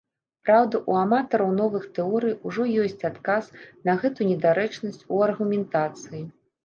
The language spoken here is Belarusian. Праўда, у аматараў новых тэорый ужо ёсць адказ на гэту недарэчнасць у аргументацыі.